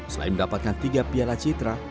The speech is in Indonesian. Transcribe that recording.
selain mendapatkan tiga piala citra